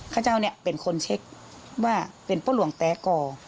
ข้าเจ้าเนี่ยเป็นคนเช็คว่าเป็นพ่อหลวงแตก่อ